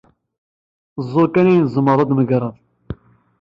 Zreɛ kan ayen tzemreḍ ad t-megreḍ.